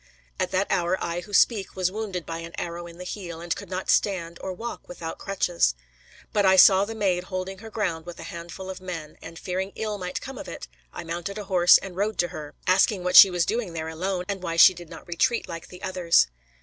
At that hour I who speak was wounded by an arrow in the heel, and could not stand or walk without crutches. But I saw the Maid holding her ground with a handful of men, and, fearing ill might come of it, I mounted a horse and rode to her, asking what she was doing there alone, and why she did not retreat like the others.